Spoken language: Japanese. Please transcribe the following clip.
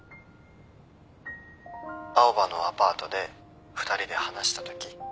青羽のアパートで２人で話したとき。